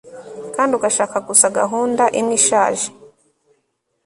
Kandi ugashaka gusa gahunda imwe ishaje